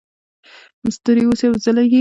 ستوري اوسئ او وځلیږئ.